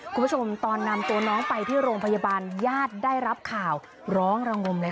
คุณผู้ชมตอนนำตัวน้องไปที่โรงพยาบาลญาติได้รับข่าวร้องระงมเลยค่ะ